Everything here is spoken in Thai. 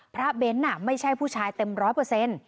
เบ้นไม่ใช่ผู้ชายเต็มร้อยเปอร์เซ็นต์